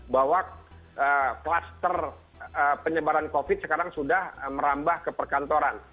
bahwa kluster penyebaran covid sekarang sudah merambah ke perkantoran